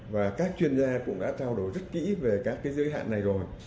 và các chuyên gia cũng đã trao đổi rất kỹ về các cái giới hạn này rồi